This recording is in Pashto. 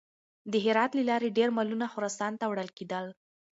د هرات له لارې ډېر مالونه خراسان ته وړل کېدل.